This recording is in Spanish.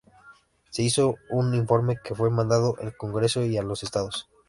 Se hizo un informe que fue mandado al Congreso y a los estados.